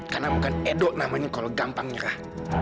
karena bukan edo namanya kalau gampang nyurah